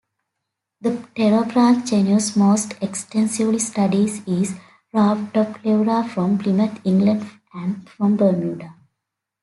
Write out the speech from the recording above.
The Pterobranch genus most extensively studied is "Rhabdopleura" from Plymouth, England and from Bermuda.